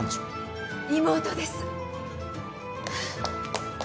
妹です。